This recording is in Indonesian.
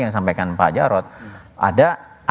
yang disampaikan pak jarod ada